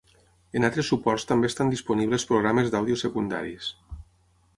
En altres suports també estan disponibles programes d'àudio secundaris.